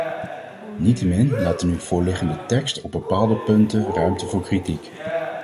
Niettemin laat de nu voorliggende tekst op bepaalde punten ruimte voor kritiek.